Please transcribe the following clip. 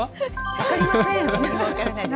分かりません。